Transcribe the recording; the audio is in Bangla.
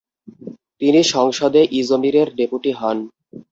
তিনি সংসদে ইজমিরের ডেপুটি হন।